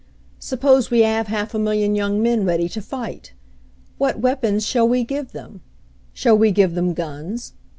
Suppose we have half a million young men ready to fight? What weapons shall we give them? "Shall we give them guns?